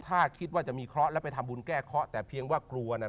ถ้าคิดว่าจะมีเคราะห์แล้วไปทำบุญแก้เคราะห์แต่เพียงว่ากลัวน่ะ